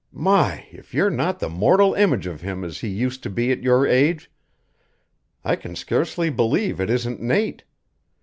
"My, if you're not the mortal image of him as he used to be at your age! I can scarcely believe it isn't Nate.